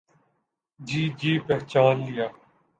جی جی پہچان لیا۔